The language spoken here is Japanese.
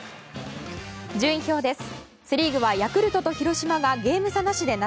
順位表です。